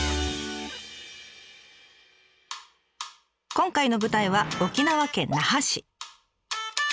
今回の舞台は沖縄県那覇市。